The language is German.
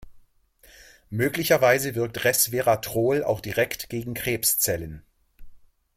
Möglicherweise wirkt Resveratrol auch direkt gegen Krebszellen.